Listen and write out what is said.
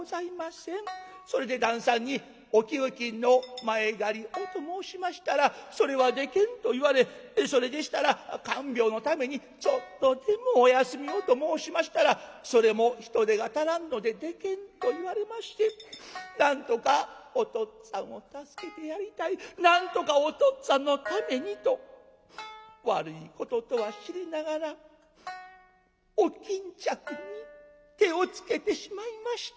それで旦さんに『お給金の前借りを』と申しましたら『それはできん』と言われ『それでしたら看病のためにちょっとでもお休みを』と申しましたら『それも人手が足らんのでできん』と言われましてなんとかおとっつぁんを助けてやりたいなんとかおとっつぁんのためにと悪いこととは知りながらお巾着に手をつけてしまいました。